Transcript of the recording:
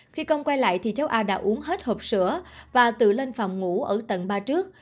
khi con quay lại thì cháu a đã uống hết hộp sữa và tự lên phòng ngủ ở tầng ba trước